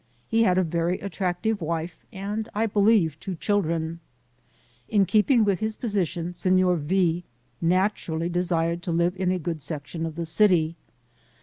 He had a very attractive wife, and I believe, two children. In keeping with his position, Signor V naturally desired to live in a good section of the city.